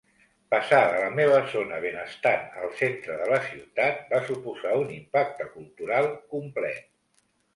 Passar de la meva zona benestant al centre de la ciutat va suposar un impacte cultural complet.